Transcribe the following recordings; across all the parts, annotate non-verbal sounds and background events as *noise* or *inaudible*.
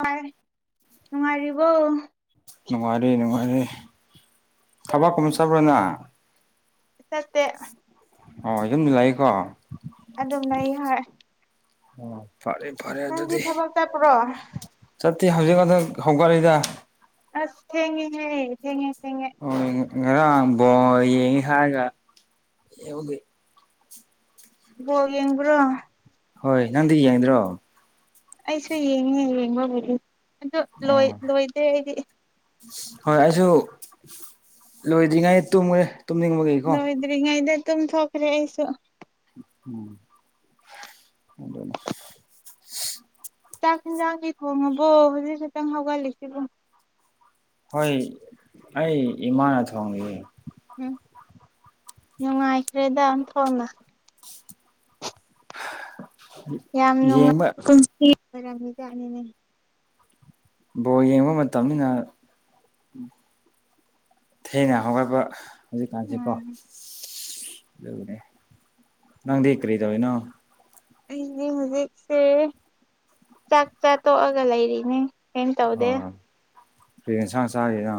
ꯍ ꯅꯨꯡꯉꯥꯏꯔꯤꯕꯣ ꯅꯨꯡꯉꯥꯏꯔꯤ ꯅꯨꯡꯉꯥꯏꯔꯤꯦ ꯊꯕꯛ ꯀꯃ ꯆꯕ꯭ꯔꯣꯅ ꯆꯠꯇꯦ ꯑꯣ ꯌꯨꯝ ꯂꯛꯏꯀꯣ ꯑꯗꯨꯝ ꯂꯩ ꯍꯣꯏ ꯎ ꯐꯔꯦ ꯐꯔꯦ ꯅꯪꯗꯤ ꯑꯗꯨꯗꯤ ꯊꯕꯛ ꯆꯠꯄ꯭ꯔꯣ ꯆꯠꯇꯤ ꯍꯧꯖꯤꯛ ꯍꯟꯗꯛ ꯍꯧꯒꯠꯂꯤꯗ ꯑꯁ ꯊꯦꯡꯉꯦ ꯍꯥꯏ ꯊꯦꯡꯉꯦ ꯍꯣꯏ ꯉꯔꯥꯡ ꯕꯣ ꯌꯦꯡꯉꯦ ꯍꯥꯏꯔꯒ ꯌꯦꯡꯗꯤ ꯑꯣ ꯌꯦꯡꯕ꯭ꯔꯣ ꯍꯣꯏ ꯅꯪꯗꯤ ꯌꯦꯡꯗ꯭ꯔꯣ ꯑꯩꯁꯨ ꯌꯦꯡꯉꯦ ꯌꯦꯡꯕꯕꯨꯗꯤ ꯑꯗꯨ ꯑꯣ ꯂꯣꯏꯗꯦ ꯑꯩꯗꯤ ꯍꯣꯏ ꯑꯩꯁꯨ ꯂꯣꯏꯗ꯭ꯔꯤꯉꯩ ꯇꯨꯝꯈꯦ ꯂꯣꯏꯗ꯭ꯔꯤꯉꯩꯗ ꯇꯨꯝ ꯊꯣꯛꯈ꯭ꯔꯦ ꯑꯩꯁꯨ ꯎꯝ ꯍ ꯆꯥꯛ ꯌꯦꯟꯖꯥꯡꯒꯤ ꯊꯣꯡꯉꯕꯣ ꯍꯧꯖꯤꯛ ꯈꯤꯛꯇꯪ ꯍꯧꯒꯠꯂꯤꯁꯤꯕꯣ ꯍꯣꯏ ꯑꯩ ꯏꯃꯥꯅ ꯊꯣꯡꯉꯦ ꯎꯝ ꯅꯨꯡꯉꯥꯏꯈ꯭ꯔꯦꯗꯝ ꯊꯣꯟꯅ *inaudible* ꯌꯥꯝ ꯌꯦꯡꯕ ꯅꯨꯡꯉꯥꯏ ꯀꯟꯁꯤ ꯑꯣꯏꯔꯝꯖꯠꯅꯤꯅꯦ ꯕꯣ ꯌꯦꯡꯕ ꯃꯇꯝꯅꯤꯅ ꯊꯦꯡꯅꯍꯒꯔꯕ ꯍꯧꯖꯤꯛꯀꯥꯟꯁꯤ ꯀꯣ ꯎꯝ ꯑꯗꯨꯅꯦ ꯅꯪꯗꯤ ꯀꯔꯤ ꯇꯧꯤꯅꯣ ꯑꯩꯅꯦ ꯍꯧꯖꯤꯛꯁꯦ ꯆꯥꯛ ꯆꯥ ꯇꯣꯛꯑꯒ ꯂꯩꯔꯤꯅꯦ ꯑꯦ ꯇꯥꯎꯗꯦ ꯄꯦꯟꯁ ꯆꯔꯦꯗ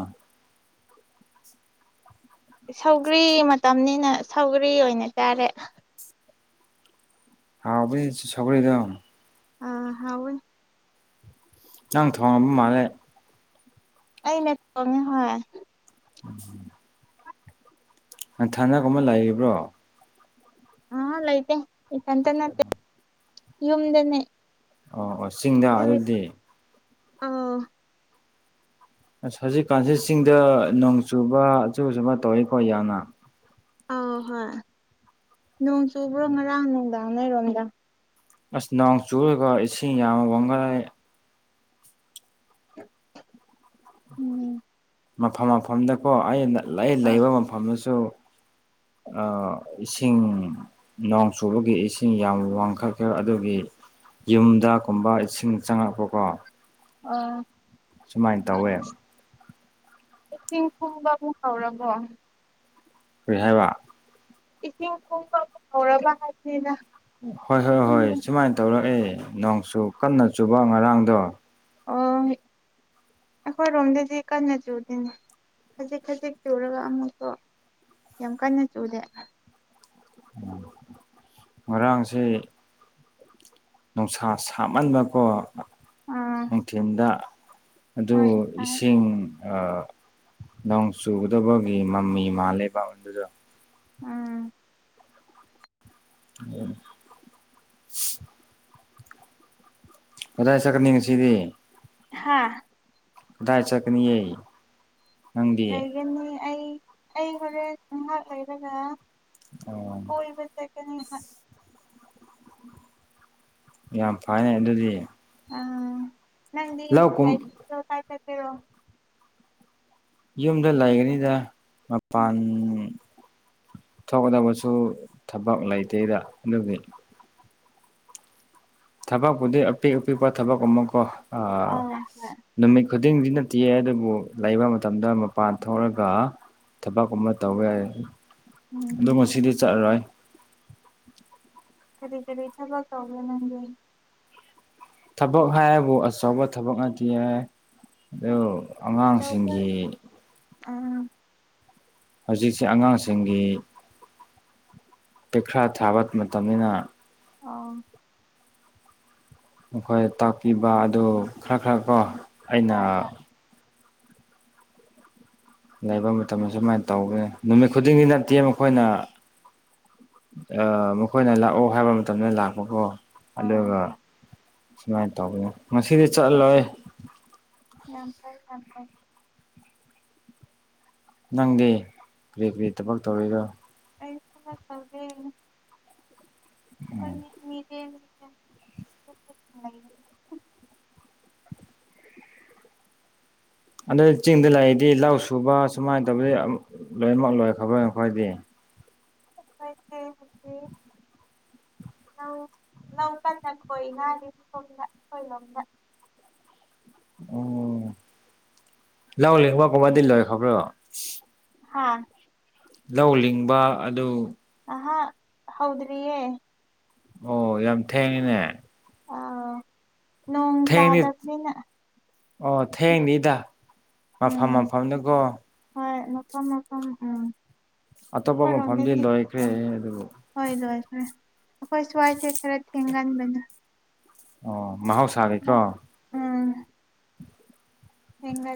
ꯁꯧꯒꯔꯤ ꯃꯇꯝꯅꯤꯅ ꯁꯧꯒꯔꯤ ꯑꯣꯏꯅ ꯇꯥꯔꯦ ꯍꯥꯎꯕ ꯁꯒꯔꯗꯑꯣ ꯑꯥ ꯍꯥꯎ ꯑꯥꯡ ꯊꯣꯡꯉꯕ ꯃꯥꯜꯂꯦ ꯑꯩꯅꯠꯇꯀꯦ ꯍꯣꯏ ꯎꯝ ꯊꯅꯒꯨꯝꯕ ꯂꯩꯕ꯭ꯔꯣ ꯑ ꯂꯥꯏꯇꯇꯅꯠꯇ ꯌꯝꯗꯅꯦ ꯑꯣ ꯑꯣ ꯆꯤꯡꯗ ꯑꯗꯨꯗꯤ ꯑꯥ ꯑꯁ ꯍꯧꯖꯤꯛꯀꯥꯟꯁꯤꯦ ꯆꯤꯡꯗ ꯅꯣꯡ ꯆꯨꯕ ꯑꯆ ꯑꯆꯕ ꯇꯧꯋꯤꯀꯣ ꯌꯥꯝꯅ ꯑ ꯍꯣꯏ ꯅꯣꯡ ꯆꯨꯕ꯭ꯔꯣ ꯉꯔꯥꯡ ꯅꯨꯡꯗꯥꯡ ꯅꯔꯣꯝꯗ ꯑꯁ ꯅꯅꯥꯎ ꯆꯨꯔꯒ ꯏꯁꯤꯡ ꯌꯥꯝ ꯋꯥꯡꯈꯠꯂꯦ ꯎꯝ ꯃꯐꯝ ꯃꯐꯝꯗꯀꯣ ꯑꯩꯅ ꯂꯩ ꯑꯥ ꯂꯩꯕ ꯃꯐꯝꯗꯨꯁꯨ ꯏꯁꯤꯡ ꯅꯣꯡ ꯆꯨꯕꯒꯤ ꯏꯁꯤꯡ ꯌꯥꯝ ꯋꯥꯡꯈꯠꯈ꯭ꯔꯦ ꯑꯗꯨꯒꯤ ꯌꯨꯝꯗꯒꯨꯝꯕ ꯏꯁꯤꯡ ꯆꯪꯉꯛꯄꯀꯣ ꯑꯥ ꯁꯨꯃꯥꯏꯅ ꯇꯧꯋꯦ ꯏꯁꯤꯡ ꯀꯨꯝꯕꯕꯨ ꯀꯥꯎꯔꯕꯣ ꯍꯕ ꯏꯁꯤꯡ ꯊꯨꯝꯕ ꯐꯥꯎꯔꯕ ꯍꯥꯏꯕꯅꯤꯅ ꯍꯣꯏ ꯍꯣꯏ ꯍꯣꯏ ꯁꯨꯃꯥꯏꯅ ꯇꯧꯔꯛꯑꯦ ꯅꯣꯡꯁꯨ ꯀꯟꯅ ꯆꯨꯕ ꯉꯔꯥꯡꯗꯣ ꯑ ꯑꯩꯈꯣꯏꯔꯣꯝꯗꯗꯤ ꯀꯟꯅ ꯆꯨꯗꯦꯅꯦ ꯈꯖꯤꯛ ꯈꯖꯤꯛ ꯆꯨꯔꯒ ꯑꯃꯨꯛꯇꯣ ꯌꯥꯝ ꯀꯟꯅ ꯆꯨꯗꯦ ꯎ ꯉꯔꯥꯡꯁꯦ ꯅꯨꯡꯁꯥ ꯁꯥꯃꯟꯕꯀꯣ ꯑꯥ ꯅꯨꯡꯊꯤꯤꯟꯗ ꯑꯗꯨ ꯍꯣꯏ ꯁꯥꯏ ꯏꯁꯤꯡ ꯅꯣꯡ ꯆꯨꯒꯗꯕꯒꯤ ꯃꯃꯤ ꯃꯥꯜꯂꯦꯕ ꯑꯗꯨꯗ ꯎꯝ ꯑꯣꯝ ꯀꯗꯥꯏ ꯁꯀꯅꯤꯡ ꯉ ꯁꯤꯗꯤ ꯍꯥꯥ ꯏ ꯆꯀꯅꯤ ꯂꯩꯒꯅꯤ ꯑꯩ ꯑꯩ ꯍꯣꯔꯦꯟ ꯉꯥꯏꯍꯥꯛ ꯂꯩꯔꯒ ꯑꯣ ꯀꯣꯏ ꯆꯦꯛꯀꯅꯤ ꯍꯥꯏ ꯌꯥꯝ ꯐꯅꯦ ꯑꯗꯨꯗꯤ ꯑꯥ ꯅꯪꯗꯤ ꯂꯧ ꯀꯨꯝ ꯂꯥꯏꯣ ꯀꯥꯏ ꯇ ꯇꯦꯔꯣ ꯌꯨꯝꯗ ꯂꯩꯒꯅꯤꯗ ꯃꯄꯥꯟ ꯊꯣꯛꯀꯗꯕꯁꯨ ꯊꯕꯛ ꯂꯩꯇꯦꯗ ꯑꯗꯨꯗꯤ ꯊꯕꯛꯄꯨꯗꯤ ꯑꯄꯤꯛ ꯑꯄꯤꯛꯄ ꯊꯕꯛ ꯑꯃꯨꯛꯀꯣ ꯑꯥ ꯍꯣꯏ ꯅꯨꯃꯤꯠ ꯈꯨꯗꯤꯡꯗꯤ ꯅꯠꯇꯦꯦ ꯑꯗꯨꯕꯨ ꯂꯩꯕ ꯃꯇꯝꯗ ꯃꯄꯥꯟ ꯊꯣꯛꯂꯒ ꯊꯕꯛꯀꯨꯝꯕ ꯇꯧꯕ ꯌꯥꯏ ꯎꯝ ꯑꯗꯨ ꯉꯗꯤ ꯆꯠꯂꯔꯣꯏ ꯀꯔꯤ ꯀꯔꯤ ꯊꯕꯛ ꯇꯧꯒꯦ ꯅꯪꯒꯦ ꯊꯕꯛ ꯍꯥꯏꯕꯨ ꯑꯆꯧꯕ ꯊꯕꯛ ꯅꯇ ꯍꯥꯏ ꯑꯗꯨ ꯑꯆꯧꯕ ꯑꯉꯥꯡꯁꯤꯡꯒꯤ ꯑꯥ ꯍꯧꯖꯤꯛꯁꯦ ꯑꯉꯥꯡꯁꯤꯡꯒꯤ ꯄꯩꯈ꯭ꯔꯥ ꯊꯥꯕ ꯃꯇꯝꯅꯤꯅ ꯑꯥ ꯃꯈꯣꯏ ꯇꯥꯛꯄꯤꯕ ꯑꯗꯨ ꯈꯔ ꯈꯔ ꯀꯣ ꯑꯩꯅ ꯍꯣꯏ ꯍꯣꯏ ꯂꯩꯕ ꯃꯇꯝꯗ ꯁꯨꯃꯥꯏꯅ ꯇꯧꯒꯦ ꯅꯨꯃꯤꯠ ꯈꯨꯗꯤꯡꯒꯤ ꯅꯠꯇꯦ ꯃꯈꯣꯏꯅ ꯑ ꯃꯈꯣꯏꯅ ꯂꯥꯛꯑꯣ ꯍꯥꯏꯕ ꯃꯇꯝꯗ ꯂꯥꯛꯄꯀꯣ ꯑꯥ ꯑꯗꯨꯒ ꯍꯣꯏ ꯁꯨꯃꯥꯏꯅ ꯇꯧꯕꯅꯦ ꯉꯗꯤ ꯆꯠꯂꯣꯏ ꯌꯥꯝ ꯐꯥꯏ ꯌꯥꯝ ꯐꯥꯏ ꯅꯪꯗꯤ ꯀꯔꯤ ꯀꯔꯤ ꯊꯕꯛ ꯇꯧꯔꯤꯔꯣ ꯑꯩꯁꯂ ꯇꯋꯦ ꯃꯤꯗꯤ *inaudible* ꯑꯗꯨ ꯆꯤꯡꯗ ꯂꯩꯔꯤꯗꯤ ꯂꯧ ꯁꯨꯕ ꯁꯨꯃꯥꯏꯅ ꯇꯧꯕꯗꯤ ꯑꯝ ꯂꯣꯏꯅꯃꯛ ꯂꯣꯏꯈꯔꯕ ꯑꯩꯈꯣꯏꯗꯤ *unintelligible* *unintelligible* ꯎꯝ ꯂꯧꯂꯤꯡꯕ ꯀꯨꯝꯕꯗꯤ ꯂꯣꯏꯈꯕ꯭ꯔꯣ ꯍꯥꯥ ꯂꯧ ꯂꯤꯡꯕ ꯑꯗꯨ ꯑꯍꯥ ꯍꯧꯗꯔꯤꯌꯦ ꯑꯣ ꯌꯥꯝ ꯊꯦꯡꯉꯤꯅꯦ ꯑꯥ ꯅꯣꯡ ꯊꯦꯡꯗꯤ ꯇꯥꯗꯕꯅꯤꯅ ꯑꯣ ꯊꯦꯡꯅꯤꯗ ꯃꯐꯝ ꯎꯝ ꯃꯐꯝꯗꯨꯀꯣ ꯍꯣꯏ ꯃꯐꯝ ꯃꯐꯝ ꯎꯝ ꯑꯇꯣꯞꯄ ꯃꯐꯝꯗꯤ ꯑꯈꯣꯏꯔꯣꯝꯗꯗꯤ ꯂꯣꯏꯈ꯭ꯔꯦ ꯎꯝ ꯑꯗꯨꯕꯨ ꯍꯣꯏ ꯂꯣꯏꯈꯔꯦ ꯑꯈꯣꯏ ꯁ꯭ꯋꯥꯏꯁꯦ ꯈꯔ ꯊꯦꯡꯒꯟꯕꯅꯦ ꯑꯣ ꯃꯍꯧꯁꯥꯒꯤꯀꯣ ꯂꯧ ꯎꯝ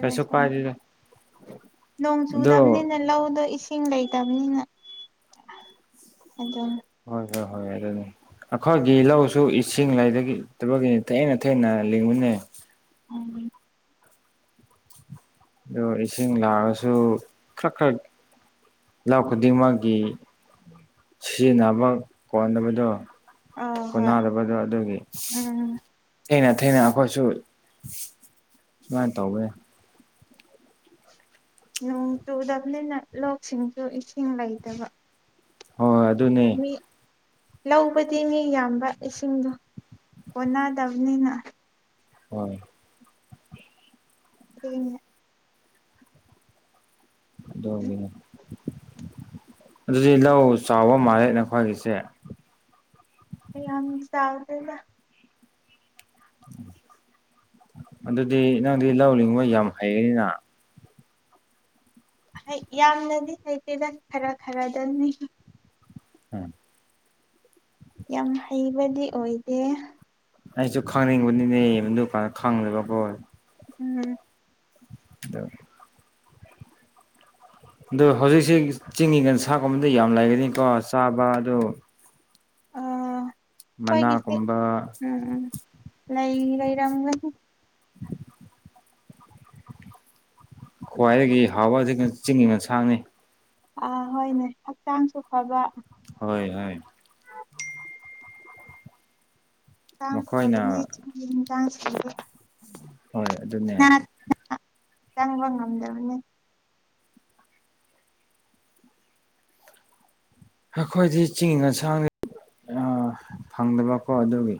ꯀꯩꯁꯨ ꯀꯥꯏꯗꯦꯗ ꯅꯣꯡ ꯑꯗꯣ ꯆꯨꯗꯕꯅꯤꯅ ꯂꯧꯗꯣ ꯏꯁꯤꯡ ꯂꯩꯇꯕꯅꯤꯅ ꯑꯗꯨꯝ ꯍꯣꯏ ꯍꯣꯏ ꯍꯣꯏ ꯑꯗꯨꯅꯤ ꯑꯩꯈꯣꯏꯒꯤ ꯂꯧꯁꯨ ꯏꯁꯤꯡ ꯂꯩꯗꯒꯤ ꯇꯕꯒꯤ ꯊꯦꯡꯅ ꯊꯦꯡꯅ *unintelligible* ꯎꯝ *unintelligible* ꯂꯧ ꯈꯨꯗꯤꯡꯃꯛꯀꯤ ꯁꯤꯖꯤꯟꯅꯕ ꯀꯣꯟꯅꯕꯗꯣ ꯑꯥ ꯍꯣꯏ ꯀꯣꯟꯅꯗꯕꯗꯣ ꯑꯗꯨꯒꯤ ꯎꯝ ꯊꯦꯡꯅ ꯊꯦꯡꯅ ꯑꯩꯈꯣꯏꯁꯨ ꯁꯨꯃꯥꯏꯅ ꯇꯧꯕ ꯌꯥꯏ ꯅꯣꯡ ꯆꯨꯗꯕꯅꯤꯅ ꯂꯧꯁꯤꯡꯁꯨ ꯏꯁꯤꯡ ꯂꯩꯇꯕ ꯍꯣꯏ ꯑꯗꯨꯅꯦ ꯃꯤ ꯂꯧꯕꯗꯤ ꯃꯤ ꯌꯥꯝꯕ ꯏꯁꯤꯡꯗꯣ ꯀꯣꯅꯗꯕꯅꯤꯅ ꯍꯣꯏ ꯊꯦꯡꯉꯦ ꯀꯩꯗꯧꯔꯝꯃꯤꯅꯣ ꯑꯗꯨꯗꯤ ꯂꯧ ꯆꯥꯎꯕ ꯃꯥꯜꯂꯦ ꯅꯈꯣꯏꯒꯤꯁꯦ ꯃꯌꯥꯝ ꯆꯥꯎꯗꯦꯗ ꯑꯗꯨꯗꯤ ꯅꯪꯗꯤ ꯂꯧ ꯂꯤꯡꯕ ꯌꯥꯝ ꯍꯩꯔꯅꯤꯅ ꯍꯩ ꯌꯥꯝꯅꯗꯤ ꯍꯩꯇꯦꯗ ꯈꯔ ꯈꯔꯗꯅꯤ ꯎꯝ ꯌꯥꯝ ꯍꯩꯕꯗꯤ ꯑꯣꯏꯗꯦ *unintelligible* ꯎꯝ *unintelligible* ꯑꯗꯨ ꯍꯧꯖꯤꯛꯁꯤ ꯆꯤꯡꯒꯤ ꯌꯦꯟꯁꯥꯒꯨꯝꯕꯗꯤ ꯌꯥꯝ ꯂꯩꯒꯅꯤꯀꯣ ꯆꯥꯕ ꯑꯗꯨ ꯑ ꯑꯩꯈꯣꯏꯒꯤꯁꯦ ꯃꯅꯥꯒꯨꯝꯕ ꯎꯝ ꯎꯝ ꯂꯩ ꯂꯩꯔꯝꯒꯅꯤ ꯈ꯭ꯋꯥꯏꯗꯒꯤ ꯍꯥꯎꯕ ꯆꯤꯡꯒꯤ ꯌꯦꯟꯁꯥꯡꯅꯤ ꯑ ꯍꯣꯏꯅꯦ ꯍꯛꯆꯥꯡꯁꯨ ꯐꯕ ꯍꯣꯏ ꯍꯣꯏ ꯃꯈꯣꯏꯅ *unintelligible* ꯍꯣꯏ ꯑꯗꯨꯅꯦ ꯆꯪꯕ ꯉꯝꯗꯕꯅꯤ ꯑꯩꯈꯣꯏꯗꯤ ꯆꯤꯡꯒꯤ ꯑꯟꯁꯥꯡꯅꯤ ꯑ ꯐꯪꯗꯕꯀꯣ ꯑꯗꯨꯒꯤ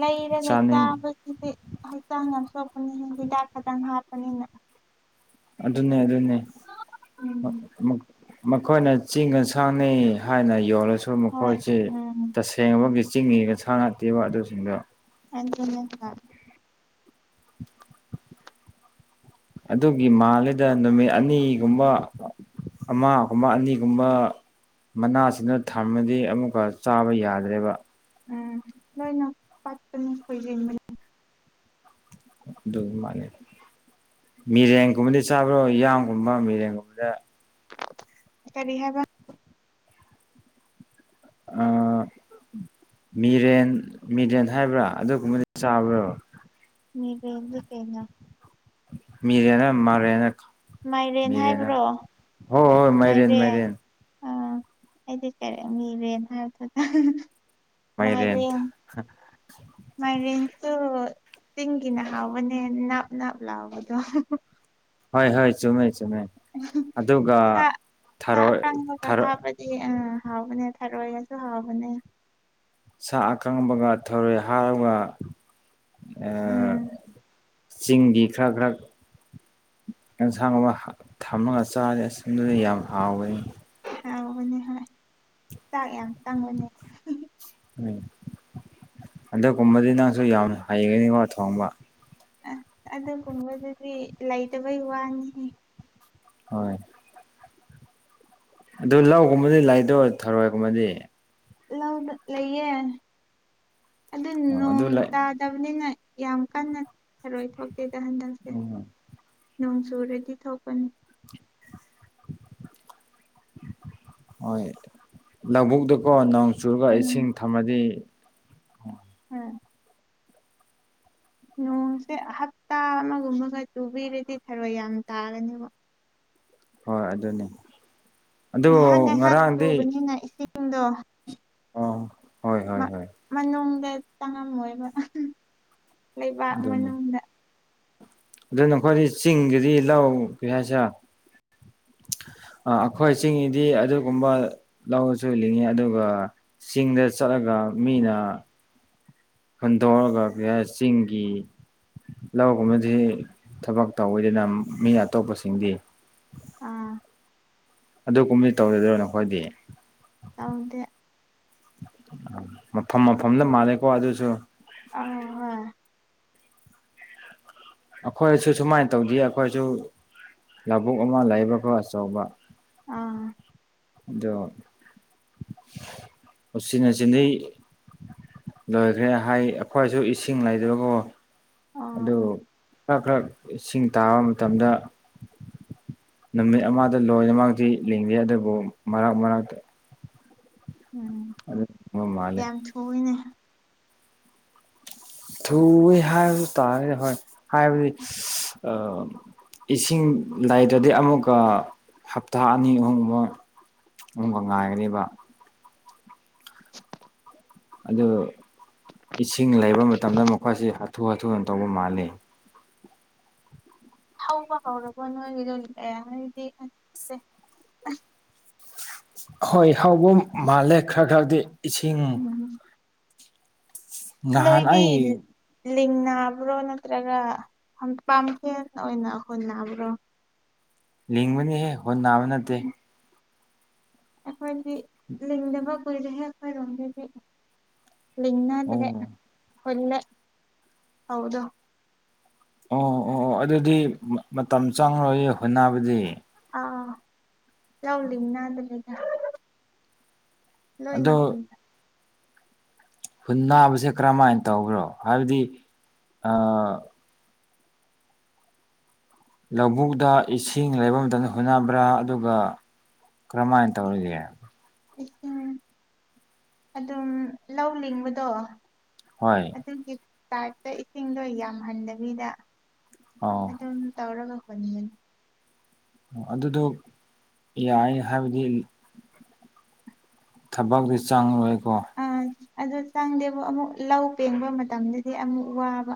ꯂꯩꯔꯒ ꯆꯥꯅꯤꯡ ꯆꯥꯕꯒꯤꯗꯤ ꯍꯛꯆꯥꯡ ꯌꯥꯝ ꯁꯦꯛ ꯍꯤꯗꯥꯛ ꯈꯇꯪ ꯍꯥꯞꯄꯅꯤꯅ ꯑꯗꯨ ꯑꯗꯨꯟꯅꯦ ꯑꯗꯨ ꯑꯗꯨꯟꯅꯦ ꯎꯝ ꯃꯈꯣꯏꯅ ꯆꯤꯡ ꯑꯟꯁꯥꯡꯅꯤ ꯍꯥꯏꯅ ꯌꯣꯜꯂꯁꯨ ꯍꯣꯏ ꯃꯈꯣꯏꯁꯤ ꯎꯝ ꯇꯁꯦꯡꯕꯒꯤ ꯆꯤꯡꯉꯒ ꯁꯥ ꯉꯇꯦꯕ ꯑꯗꯨꯁꯤꯡꯗ ꯑꯦ ꯑꯗꯨꯒꯤ ꯃꯥꯜꯂꯤꯗ ꯅꯨꯃꯤꯠ ꯑꯅꯤꯒꯨꯝꯕ ꯑꯃꯒꯨꯝꯕ ꯑꯅꯤꯒꯨꯝꯕ ꯃꯅꯥꯁꯤꯅ ꯊꯔꯃꯗꯤ ꯑꯃꯨꯛꯀ ꯆꯥꯕ ꯌꯥꯗ꯭ꯔꯦꯕ ꯎꯝ ꯂꯣꯏꯅ ꯄꯠꯄꯅꯤ ꯈꯣꯏꯔꯟꯕꯅꯤ ꯑꯗꯨ ꯑꯗꯨ ꯃꯥꯅꯦ ꯃꯤꯔꯦꯟꯒꯨꯝꯕꯗꯤ ꯆꯥꯕ꯭ꯔꯣ ꯏꯌꯥꯝꯒꯨꯝꯕ ꯃꯤꯔꯦꯟꯒꯨꯝꯕꯗ ꯀꯔꯤ ꯍꯥꯏꯕ ꯃꯤꯔꯦꯟ ꯃꯤꯔꯦꯟ ꯍꯥꯏꯕ꯭ꯔꯥ ꯑꯗꯨꯒꯨꯝꯕꯗꯤ ꯆꯥꯕ꯭ꯔꯣ ꯃꯤꯕꯦꯗꯨ ꯆꯅꯥ ꯃꯤꯔꯦꯅ ꯃꯥꯔꯦꯅ ꯃꯥꯏꯔꯦꯟ ꯃꯤꯔꯦꯅ ꯍꯥꯏꯕ꯭ꯔꯣ ꯍ ꯍꯣꯏ ꯃꯩꯔꯦꯦꯟ ꯃꯥꯏꯔꯦꯟ ꯃꯩꯔꯦꯟ ꯑꯥ ꯑꯩꯗꯤ ꯀꯔꯤ ꯃꯤꯔꯦꯅ ꯍꯥꯏꯕꯗꯨꯗ ꯃꯥꯏꯔꯦꯟ ꯃꯥꯏꯔꯤꯡ ꯃꯥꯏꯔꯤꯡ ꯁ ꯆꯤꯡꯒꯤꯅ ꯍꯥꯎꯕꯅꯦ ꯅꯥꯞ ꯅꯥꯞ ꯂꯥꯎꯕꯗꯣ ꯍꯣꯏ ꯍꯣꯏ ꯆꯨꯝꯃꯦꯁ ꯁꯥ ꯁꯥ ꯊꯔꯣꯏ ꯑꯀꯪꯕꯒ ꯊꯔꯣꯏ ꯍꯥꯞꯄꯗꯤ ꯑ ꯍꯥꯎꯕꯅꯦꯕ ꯊꯔꯣꯏꯒꯁꯨ ꯍꯥꯎꯕꯅꯦ ꯁꯥ ꯑꯀꯪꯕꯒ ꯊꯧꯔꯣꯏ ꯍꯥꯔꯒ ꯎꯝ ꯆꯤꯡꯒꯤ ꯈꯔ ꯈꯔ ꯑꯦꯟꯁꯥꯡꯒꯕ ꯊꯝꯃꯒ ꯆꯥꯔꯦ ꯑꯁꯨꯝꯗꯨꯗ ꯌꯥꯝ ꯍꯥꯎꯋꯦ ꯍꯕꯅꯦ ꯍꯣꯏ ꯆꯥꯛ ꯌꯥꯝ ꯆꯪꯕꯅꯦ ꯎꯝ ꯍꯟꯗꯛꯀꯨꯝꯕꯗꯤ ꯅꯪꯁꯨ ꯌꯥꯝ ꯍꯩꯒꯅꯤꯀꯣ ꯊꯣꯡꯕ ꯑ ꯑꯗꯨꯒꯨꯝꯕꯗꯨꯗꯤ ꯂꯩꯇꯕꯩ ꯋꯥꯅꯤ ꯍꯣꯏ ꯑꯗꯨ ꯂꯧꯒꯨꯝꯕꯗꯤ ꯂꯥꯏꯗꯣ ꯊꯔꯣꯏꯒꯨꯝꯕꯗꯤ ꯂꯧ ꯂꯩꯌꯦ ꯑꯗꯨ ꯑꯣ ꯑꯗꯨ ꯅꯣꯡ ꯂꯩ ꯇꯥꯗꯕꯅꯤꯅ ꯌꯥꯝ ꯀꯟꯅ ꯊꯔꯣꯏ ꯊꯣꯛꯇꯦꯗ ꯍꯟꯗꯛꯁꯦ ꯎꯝ ꯅꯣꯡꯁꯨ ꯔꯦꯗꯤ ꯊꯣꯛꯧꯀꯅꯤ ꯍꯣꯏ ꯂꯧꯕꯨꯛꯗꯀꯣ ꯅ ꯆꯨꯔꯒ ꯎꯝ ꯏꯁꯤꯡ ꯊꯝꯃꯗꯤ ꯎ ꯅꯣꯡꯁꯦ ꯍꯞꯇꯥ ꯑꯃꯒꯨꯝꯕꯒ ꯇꯨꯕꯤꯔꯗꯤ ꯊꯔꯣꯏ ꯌꯥꯝ ꯇꯥꯒꯅꯦꯕ ꯍꯣꯏ ꯑꯗꯨꯅꯤ ꯑꯗꯨ ꯉꯔꯥꯡꯗꯤ ꯗꯣ ꯑꯣ ꯍꯣꯏ ꯍꯣꯏ ꯍꯣꯏ ꯃꯅꯨꯡꯗ ꯆꯪꯉꯝꯃꯣꯏꯕ ꯂꯩꯕꯥꯛ ꯑꯗꯨꯅꯤ ꯃꯅꯨꯡꯗ ꯑꯗꯨ ꯅꯈꯣꯏꯗꯤ ꯆꯤꯡꯒꯤꯗꯤ ꯂꯧ ꯀꯩ ꯍꯥꯏꯁꯔ ꯑꯩꯈꯣꯏ ꯆꯤꯡꯗꯤ ꯑꯗꯨꯒꯨꯝꯕ ꯂꯧꯔꯁꯨ ꯂꯤꯡꯉꯤ ꯑꯗꯨꯒ ꯆꯤꯡꯗ ꯆꯠꯂꯒ ꯃꯤꯅ ꯈꯟꯗꯣꯛꯑꯒ ꯆꯤꯡꯒꯤ ꯂꯧꯒꯨꯝꯕꯕꯁꯤ ꯊꯕꯛ ꯇꯧꯋꯤꯗꯅ ꯃꯤ ꯑꯇꯣꯞꯄꯁꯤꯡꯗꯤ ꯑꯥ ꯑꯗꯨ ꯀꯨꯝꯗꯤ ꯇꯧꯔꯗꯣꯏꯣꯅꯣ ꯑꯩꯈꯣꯏꯗꯤ ꯇꯗꯤ ꯃꯐꯝ ꯃꯐꯝꯗ ꯃꯥꯅꯦꯦꯀꯣ ꯋꯥ ꯑꯗꯨꯁꯨ ꯑ ꯍ ꯑꯩꯈꯣꯏꯁꯨ ꯁꯨꯃꯥꯏꯅ ꯇꯧꯗ ꯑꯩꯈꯣꯏꯁꯨ ꯂꯧꯕꯨꯛ ꯑꯃ ꯂꯩꯕꯀꯣ ꯑꯆꯧꯕ ꯑꯥ ꯑꯗꯣꯅꯆꯗꯩ ꯂꯣꯏꯈ꯭ꯔꯦ ꯍꯥꯏ ꯑꯩꯈꯣꯏꯁꯨ ꯏꯁꯤꯡ ꯂꯩꯗꯕꯕꯨ ꯑꯣ ꯑꯣ ꯏꯁꯤꯡ ꯇꯥꯕ ꯃꯇꯝꯗ ꯅꯨꯃꯤꯠ ꯑꯃꯗ ꯂꯣꯏꯅꯃꯛꯛꯇꯤ ꯂꯤꯡꯗꯦ ꯑꯗꯨꯕꯨ ꯃꯔꯛ ꯃꯔꯛꯇ ꯎꯝ ꯑꯗꯨꯝꯕ ꯃꯥꯜꯂꯦ ꯌꯥꯝ ꯊꯨꯏꯅꯦ ꯊꯨꯏ ꯍꯥꯏꯕꯁꯨ ꯇꯥꯔꯦꯗꯤ ꯍꯣꯏ ꯍꯥꯏꯕꯗꯤ ꯏꯁꯤꯡ ꯂꯩꯗ꯭ꯔꯗꯤ ꯑꯃꯨꯛꯀ ꯍꯞꯇꯥ ꯑꯅꯤ ꯑꯍꯨꯝꯃꯨꯛ ꯑꯍꯨꯝꯕ ꯉꯥꯏꯒꯅꯦꯕ ꯑꯗꯨ ꯏꯁꯤꯡ ꯂꯩꯕ ꯃꯇꯝꯗ ꯃꯈꯣꯏꯁꯤ ꯑꯊꯨ ꯍꯥꯊꯨꯅ ꯇꯧꯕ ꯃꯥꯜꯂꯦ ꯊꯧꯕ ꯍꯧꯔꯕ ꯅꯣꯏꯒꯤꯗꯣ ꯍꯥꯏꯗꯤꯦ ꯍꯣꯏ ꯍꯥꯎꯕ ꯃꯥꯜꯂꯦ ꯈꯔ ꯈꯔꯗꯤ ꯏꯁꯤꯡ ꯎꯝ ꯉꯍꯥꯟꯅꯏ ꯂꯤꯡꯕ꯭ꯔꯣ ꯅꯠꯇ꯭ꯔꯒ ꯄꯥꯝ ꯍꯦꯟ ꯑꯣꯏꯅ ꯍꯨꯟꯅꯕ꯭ꯔꯣ ꯂ ꯂꯤꯃꯅꯤ ꯍꯦ ꯍ ꯅꯥꯃꯅꯠꯇ ꯎꯝ ꯑꯩꯈꯣꯏꯗꯤ ꯂꯤꯡꯗꯕ ꯀꯨꯏꯔꯦꯍꯦ ꯑꯩꯈꯣꯏꯔꯣꯝꯗ ꯄ ꯂ ꯂꯤꯉꯥꯟꯗ꯭ꯔ ꯑꯣ ꯑꯣꯂ ꯍꯥꯎꯗꯣ ꯑꯣ ꯑꯣ ꯑꯣ ꯑꯗꯨꯗꯤ ꯃꯇꯝ ꯆꯪꯉꯣꯏꯏ ꯍꯨꯟꯅꯕꯨꯗꯤ ꯑ ꯆꯧꯗ ꯅꯗ ꯂꯩꯒ ꯂꯣꯏꯅꯈꯣꯏꯅ ꯍꯨꯟ ꯅꯥꯕꯁꯦ ꯀꯔꯝꯍꯥꯏꯅ ꯇꯧꯕ꯭ꯔꯣ ꯍꯥꯏꯕꯗꯤ ꯑ ꯂꯧꯕꯨꯛꯇ ꯏꯁꯤꯡ ꯂꯩꯕ ꯃꯇꯝꯗ ꯍꯣꯠꯅꯕ꯭ꯔꯥ ꯑꯗꯨꯒ ꯀ꯭ꯔꯃ ꯑꯦ ꯇ ꯑꯣꯏꯗꯦ ꯏꯁꯤꯡ ꯑꯗꯨꯝ ꯂꯧ ꯂꯤꯡꯕꯗꯣ ꯍꯣꯏ ꯑꯗꯨꯒꯤ ꯀꯥꯔꯠꯇ ꯏꯁꯤꯡꯗꯣ ꯌꯥꯝꯍꯟꯗꯕꯤꯗ ꯑꯧ ꯑꯗꯨꯝ ꯇꯧꯔꯒ ꯍꯣꯠꯅꯤꯡꯒꯅꯤ ꯑꯗꯨꯗꯣ ꯌꯥꯏ ꯍꯥꯏꯕꯗꯤ ꯊꯕꯛꯇꯗꯤ ꯆꯪꯔꯣꯏꯀꯣ ꯑ ꯆꯪꯗꯦꯕꯨ ꯑꯃꯨꯛ ꯂꯧ ꯄꯦꯡꯕ ꯃꯇꯝꯗꯗꯤ ꯑꯃꯨꯛ ꯋꯥꯕ